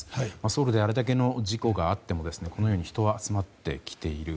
ソウルであれだけの事故があってもこのように人は集まってきている。